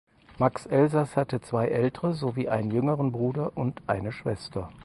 Max Elsas hatte zwei ältere sowie einen jüngeren Bruder und eine Schwester.